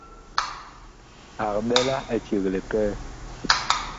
Ag ɓɛ la eceg likɛɛ.